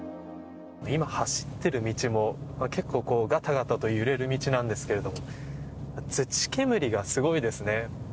今、走っている道も結構がたがたとゆれる道なんですけど土煙がすごいですね。